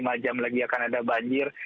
mungkin empat lima jam lagi akan ada banjir